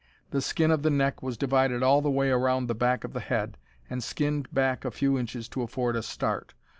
The skin of the neck was divided all the way around at the back of the head, and skinned back a few inches to afford a start.